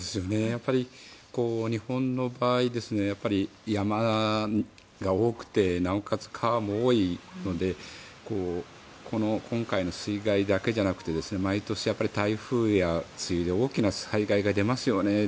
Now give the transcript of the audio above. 日本の場合、山が多くてなおかつ川も多いので今回の水害だけじゃなくて毎年、台風や梅雨で大きな災害が出ますよね。